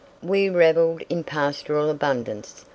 We revelled in pastoral abundance.